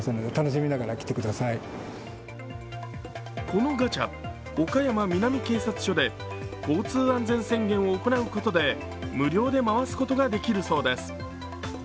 このガチャ、岡山南警察署で交通安全宣言を行うことで無料で回すことができるそうです。